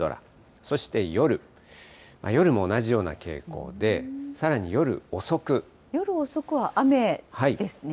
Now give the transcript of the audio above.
そして夜、夜も同じような傾向で、夜遅くは雨ですね。